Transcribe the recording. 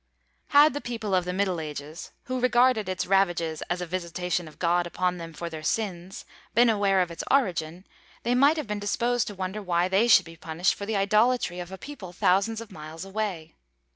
Had the people of the middle ages, who regarded its ravages as a visitation of God upon them for their sins, been aware of its origin, they might have been disposed to wonder why they should be punished for the idolatry of a people thousands of miles away.